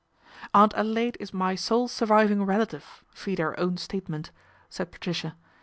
" Aunt Adelaide is my sole surviving relative, vide her own statement," said Patricia.